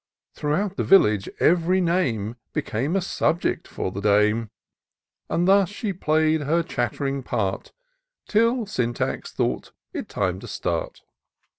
Throughout the village, ev'ry name Became a subject for the dame ; And thus she play'd her chatt'ring part, Till Syntax thought it time to start.